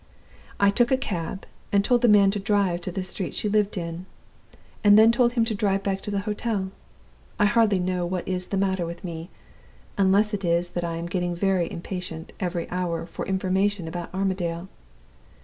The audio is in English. I took a cab, and told the man to drive to the street she lived in, and then told him to drive back to the hotel. I hardly know what is the matter with me unless it is that I am getting more impatient every hour for information about Armadale.